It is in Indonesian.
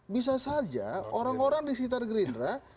bisa saja orang orang di sekitar gerindra